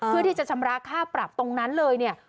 ที่จะชำระค่าปรับตรงนั้นเลยเนี่ย